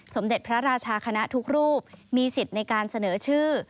สมเด็จพระราชาคณะทุกรูปมีสิทธิ์ในการเสนอชื่อ